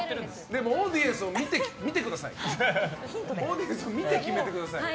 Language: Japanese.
でもオーディエンスを見て決めてください。